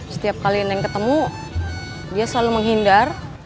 setiap kali neng ketemu dia selalu menghindar